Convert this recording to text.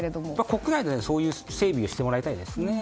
国内でそういう整備をしてもらいたいですね。